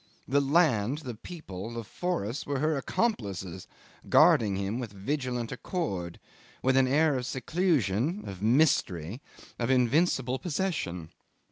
The land, the people, the forests were her accomplices, guarding him with vigilant accord, with an air of seclusion, of mystery, of invincible possession.